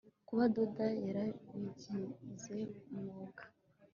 kuba adoda yarabigize umwuga